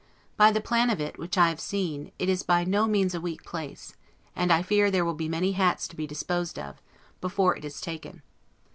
By the plan of it, which I have seen, it is by no means a weak place; and I fear there will be many hats to be disposed of, before it is taken.